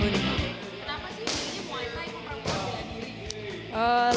kenapa sih ingin muay thai pemerintah belah diri